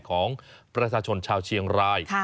ของประชาชนชาวเชียงราย